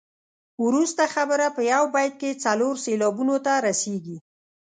وروسته خبره په یو بیت کې څلور سېلابونو ته رسيږي.